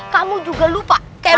kamu juga lupa